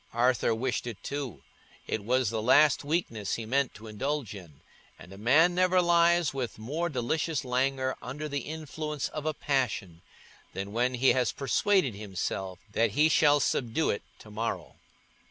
Arthur wished it too; it was the last weakness he meant to indulge in; and a man never lies with more delicious languor under the influence of a passion than when he has persuaded himself that he shall subdue it to morrow.